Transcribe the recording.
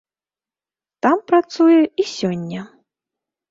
Там працуе і сёння.